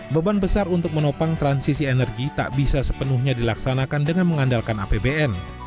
beban besar untuk menopang transisi energi tak bisa sepenuhnya dilaksanakan dengan mengandalkan apbn